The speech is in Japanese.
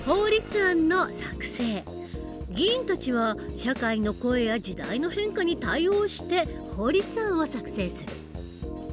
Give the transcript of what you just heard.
議員たちは社会の声や時代の変化に対応して法律案を作成する。